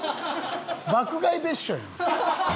爆買い別所やん。